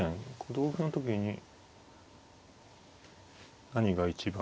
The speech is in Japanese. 同歩の時に何が一番。